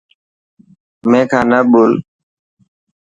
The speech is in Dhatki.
مين کان نه ٻول.